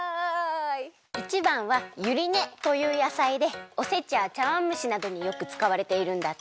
１ばんはゆりねというやさいでおせちやちゃわんむしなどによくつかわれているんだって。